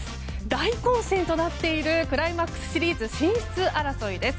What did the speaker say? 大混戦となっているクライマックスシリーズ進出争いです。